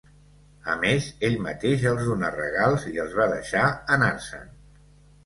A més, ell mateix els donà regals i els va deixar anar-se'n.